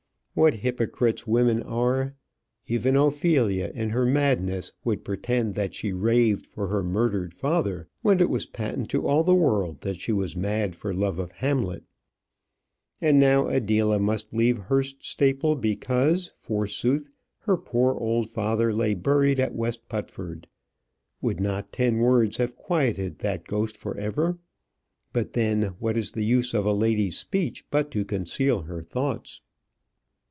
What hypocrites women are! Even Ophelia in her madness would pretend that she raved for her murdered father, when it was patent to all the world that she was mad for love for Hamlet. And now Adela must leave Hurst Staple because, forsooth, her poor old father lay buried at West Putford. Would not ten words have quieted that ghost for ever? But then, what is the use of a lady's speech but to conceal her thoughts?